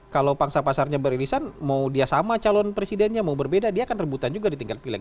kalau pangsa pasarnya beririsan mau dia sama calon presidennya mau berbeda dia akan rebutan juga di tingkat pileg